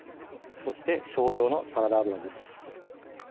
そして少量のサラダ油です